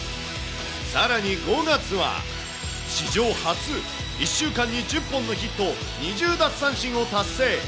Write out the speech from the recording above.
さらに５月は史上初、１週間に１０本のヒット、２０奪三振を達成。